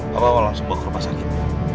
bawa langsung bawa ke rumah sakit